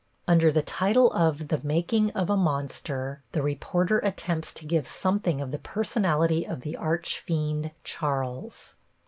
Under the title of "The Making of a Monster," the reporter attempts to give "something of the personality of the archfiend, Charles."